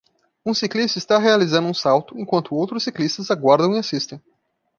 Um ciclista está realizando um salto enquanto outros ciclistas aguardam e assistem.